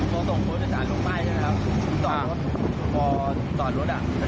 ตัวส่งผู้โดยสารลงไปใช่ไหมครับตอนรถตอนรถอ่ะ